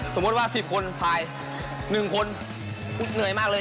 สมมุติว่า๑๐คนภาย๑คนเหนื่อยมากเลย